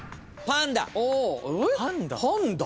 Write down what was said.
パンダ！？